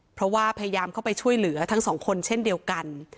เพราะว่าพยายามเข้าไปช่วยเหลือทั้งสองคนเช่นเดียวกัน